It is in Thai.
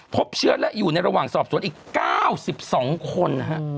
พบเชื้อและอยู่ในระหว่างสอบสวนอีก๙๒คนนะฮะ